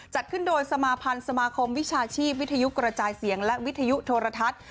จัดขึ้นโดยสมาพันธ์สมาคมวิชาชีพวิทยุกระจายเสียงและวิทยุโทรทัศน์